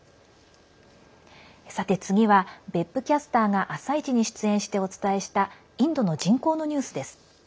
さて、次は別府キャスターが「あさイチ」に出演してお伝えしたインドの人口のニュースです。